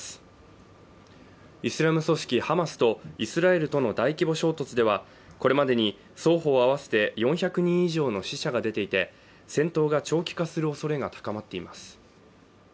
イスラム組織ハマスとイスラエルとの大規模衝突ではこれまでに双方合わせて４００人以上の死者が出ていて、戦闘が長期化するおそれが高まっています。